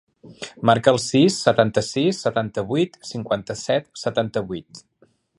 Marca el sis, setanta-sis, setanta-vuit, cinquanta-set, setanta-vuit.